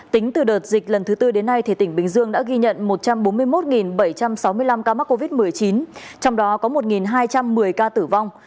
tính từ đợt dịch lần thứ tư đến nay tỉnh bình dương đã ghi nhận một trăm bốn mươi một bảy trăm sáu mươi năm ca mắc covid một mươi chín trong đó có một hai trăm một mươi ca tử vong